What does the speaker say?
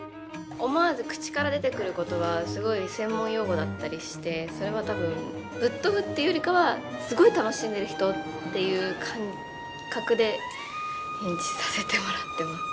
思わず口から出てくる言葉はすごい専門用語だったりしてそれは多分ぶっ飛ぶっていうよりかはすごい楽しんでる人っていう感覚で演じさせてもらってます。